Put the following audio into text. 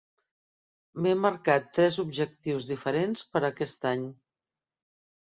M'he marcat tres objectius diferents per a aquest any.